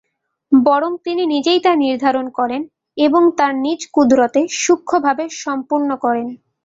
বরং তিনি নিজেই তা নির্ধারণ করেন এবং তাঁর নিজ কুদরতে সূক্ষ্মভাবে সম্পন্ন করেন।